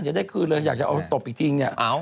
จะได้คืนเลยอยากโดนตบอีกทีอย่างนี้